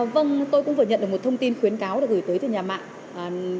vâng tôi cũng vừa nhận được một thông tin khuyến cáo được gửi tới từ nhà mạng